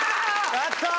やったー！